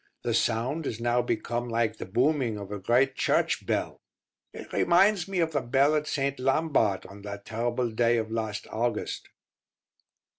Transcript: The sound is now become like the booming of a great church bell. It reminds me of the bell at St. Lambart on that terrible day of last August.